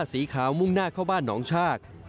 สีขาวมุ่งหน้าเข้าบ้านหนองชาก